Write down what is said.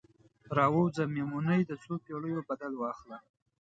راووځه میمونۍ، د څوپیړیو بدل واخله